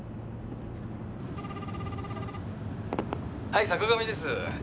「はい坂上です」